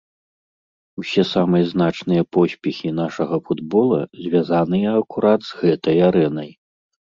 Усе самыя значныя поспехі нашага футбола звязаныя акурат з гэтай арэнай.